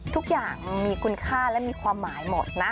ทุกอย่างมีคุณค่าและมีความหมายหมดนะ